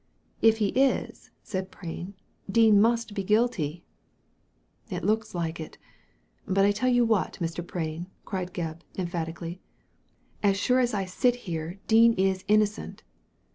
" If he is," said Prain, " Dean must be guilty." " It looks like it. But I tell you what, Mr. Prain," cried Gebb, emphatically, "as sure as I sit here Dean is innocent!